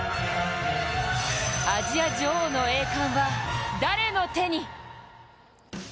アジア女王の栄冠は誰の手に？